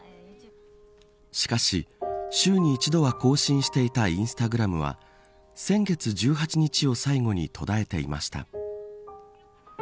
しかし、週に一度は更新していたインスタグラムは先月１８日を最後に途絶えていました。